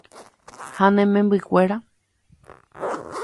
Ha ne membykuéra.